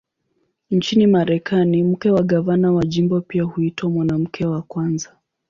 Nchini Marekani, mke wa gavana wa jimbo pia huitwa "Mwanamke wa Kwanza".